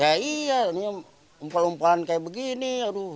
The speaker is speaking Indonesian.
ya iya ini umpal umpalan kayak begini aduh